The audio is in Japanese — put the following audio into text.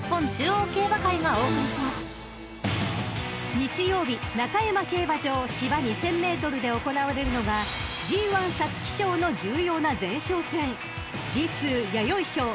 ［日曜日中山競馬場芝２，０００ｍで行われるのがＧⅠ皐月賞の重要な前哨戦］